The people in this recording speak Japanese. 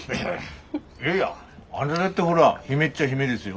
いやいやあなただってほら姫っちゃ姫ですよ？